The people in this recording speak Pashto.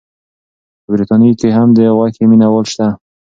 په بریتانیا کې هم د غوښې مینه وال شته.